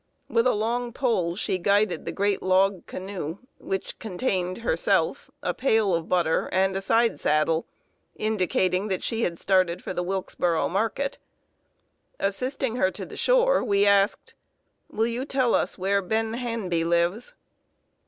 With a long pole, she guided the great log canoe, which contained herself, a pail of butter, and a side saddle, indicating that she had started for the Wilkesboro market. Assisting her to the shore, we asked: "Will you tell us where Ben Hanby lives?"